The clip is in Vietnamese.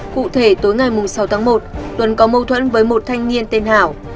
cụ thể tối ngày sáu tháng một tuấn có mâu thuẫn với một thanh niên tên hảo